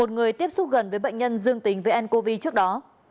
một người tiếp xúc gần với bệnh nhân dương tính với ncov trước đó